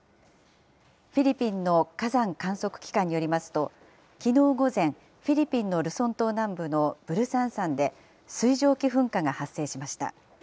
フィリピンの火山観測機関によりますと、きのう午前、フィリピンのルソン島南部のブルサン山で、水蒸気噴火が発生しました。